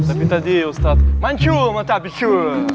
tapi tadi ustadz mancu matah bicu